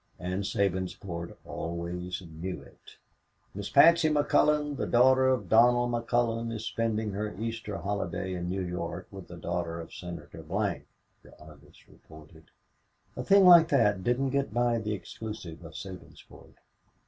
And Sabinsport always knew it. "Miss Patsy McCullon, the daughter of Donald McCullon, is spending her Easter holiday in New York, with the daughter of Senator Blank," the Argus reported. A thing like that didn't get by the exclusive of Sabinsport.